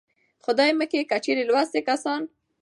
خدايه مکې که چېرې لوستي کسان